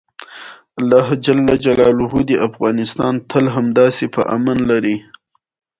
ایا تاسو صدقه ورکوئ؟